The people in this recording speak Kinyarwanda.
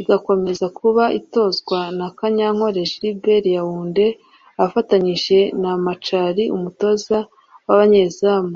igakomeza kuba itozwa na Kanyankore Gilbert Yaounde afatanije na Macari umutoza w’Abanyezamu